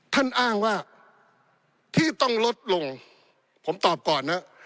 ท่านอ้างว่าที่ต้องลดลงผมตอบก่อนนะ